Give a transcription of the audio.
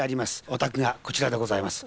お宅がこちらでございます。